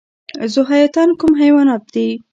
ذوحیاتین کوم حیوانات دي؟